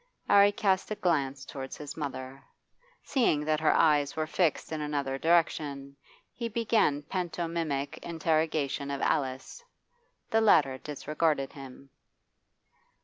'Arry cast a glance towards his mother. Seeing that her eyes were fixed in another direction, he began pantomimic interrogation of Alice. The latter disregarded him.